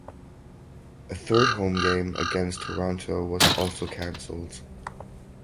A third home game against Toronto was also cancelled.